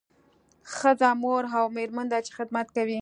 ښځه مور او میرمن ده چې خدمت کوي